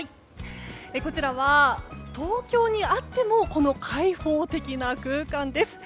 こちらは東京にあっても開放的な空間です。